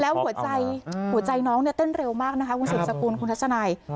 แล้วหัวใจน้องเนี่ยเต้นเร็วมากนะคะคุณสุดสกุลคุณทัศนัย